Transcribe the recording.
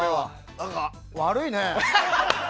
何か悪いね。